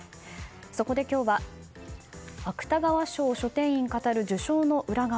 そこで、今日は芥川賞書店員が語る受賞の裏側。